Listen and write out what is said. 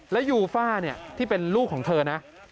และยูฟ่าเนี่ยที่เป็นลูกของเธอนะ